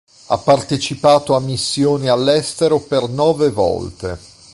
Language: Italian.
Ha partecipato a missioni all'estero per nove volte.